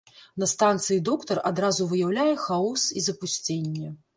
На станцыі доктар адразу выяўляе хаос і запусценне.